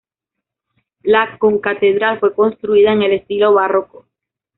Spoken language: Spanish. La concatedral fue construida en el estilo barroco.